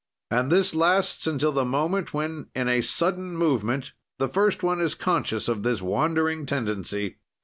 "And this lasts until the moment when, in a sudden movement, the first one is conscious of this wandering tendency.